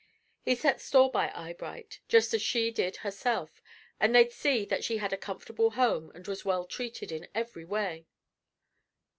He set store by Eyebright, just as she did herself, and they'd see that she had a comfortable home and was well treated in every way.